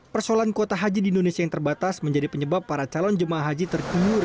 persoalan kuota haji di indonesia yang terbatas menjadi penyebab para calon jemaah haji terkubur